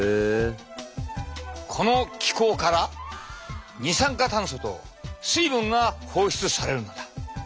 この気孔から二酸化炭素と水分が放出されるのだ。